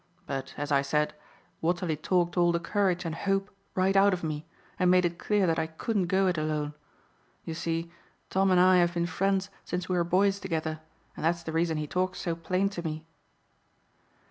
But, as I said, Watterly talked all the courage and hope right out of me, and made it clear that I couldn't go it alone. You see, Tom and I have been friends since we were boys together, and that's the reason he talks so plain to me."